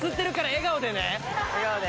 笑顔で。